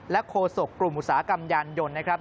และโคสกกลุ่มอุตสาหกรรมยานยนต์